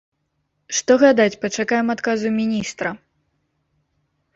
Што гадаць, пачакаем адказу міністра!